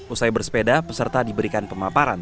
usai bersepeda peserta diberikan pemaparan